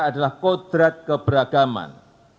adalah kodrat keberagaman